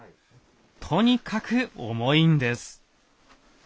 とにかく重いんです。